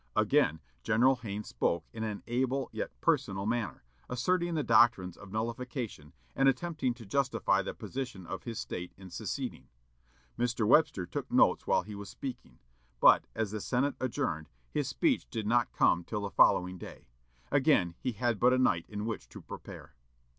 Again General Hayne spoke in an able yet personal manner, asserting the doctrines of nullification, and attempting to justify the position of his State in seceding. Mr. Webster took notes while he was speaking, but, as the Senate adjourned, his speech did not come till the following day. Again he had but a night in which to prepare.